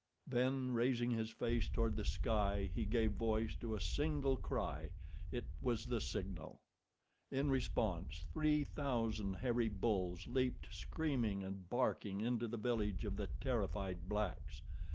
Then, raising his face toward the sky, he gave voice to a single cry. It was the signal. In response three thousand hairy bulls leaped screaming and barking into the village of the terrified blacks.